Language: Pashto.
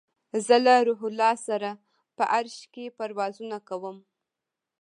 زه له روح الله سره په عرش کې پروازونه کوم